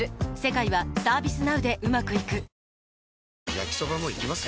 焼きソバもいきます？